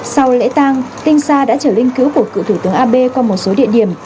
sau lễ tang tinh sa đã trở lên cứu của cựu thủ tướng abe qua một số địa điểm